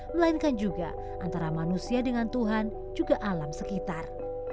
melainkan juga antara manusia dengan tuhan juga alam sekitar